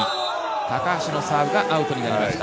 高橋のサーブがアウトになりました。